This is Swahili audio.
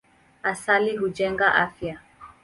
Asali hujenga afya.